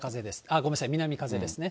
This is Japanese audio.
ごめんなさい、南風ですね。